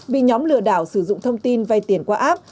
bị nhóm lừa đảo sử dụng thông tin vay tiền qua app